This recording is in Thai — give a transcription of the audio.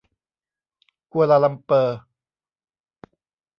กัวลาลัมเปอร์